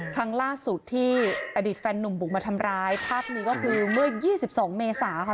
ครั้งล่าสุดที่อดีตแฟนหนุ่มบุกมาทำร้ายภาพนี้ก็คือเมื่อ๒๒เมษาค่ะ